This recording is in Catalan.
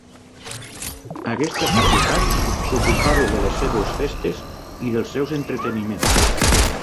Aquesta societat s'ocupava de les seves festes i dels seus entreteniments.